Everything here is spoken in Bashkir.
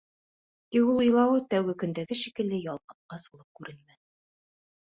Тик ул илауы тәүге көндәге шикелле ялҡытҡыс булып күренмәне.